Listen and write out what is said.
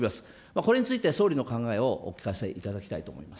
これについて総理の考えをお聞かせいただきたいと思います。